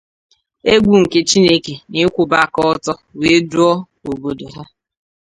égwù nke Chineke na ịkwụba aka ọtọ wee duo obodo ha.